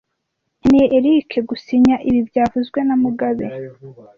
Nkeneye Eric gusinya ibi byavuzwe na mugabe